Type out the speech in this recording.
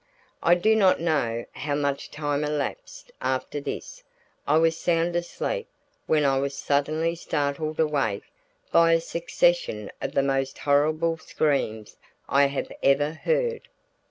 I do not know how much time elapsed after this I was sound asleep when I was suddenly startled awake by a succession of the most horrible screams I have ever heard.